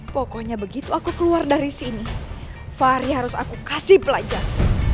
pokoknya begitu aku keluar dari sini fahri harus aku kasih pelajar